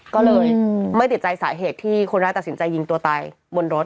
ก็เลยไม่ติดใจสาเหตุที่คนร้ายตัดสินใจยิงตัวตายบนรถ